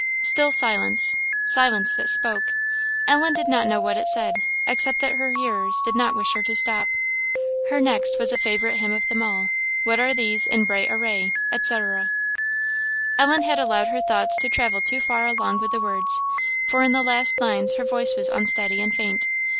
Still silence; "silence that spoke!" Ellen did not know what it said, except that her hearers did not wish her to stop. Her next was a favourite hymn of them all "What are these in bright array?" &c. Ellen had allowed her thoughts to travel too far along with the words, for in the last lines her voice was unsteady and faint.